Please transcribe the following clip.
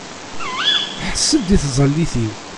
Ḥess-d i tẓallit-iw!